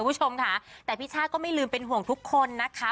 คุณผู้ชมค่ะแต่พี่ช่าก็ไม่ลืมเป็นห่วงทุกคนนะคะ